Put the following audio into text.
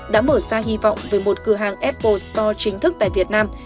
đã mở ra hy vọng về một cửa hàng apple spore chính thức tại việt nam